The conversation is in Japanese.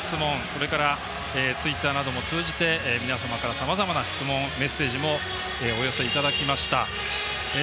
それからツイッターなども通じて皆様からさまざまな質問メッセージをお寄せいただきました。